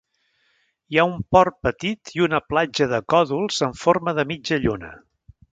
Hi ha un port petit i una platja de còdols en forma de mitja lluna.